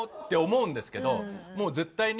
もう絶対に。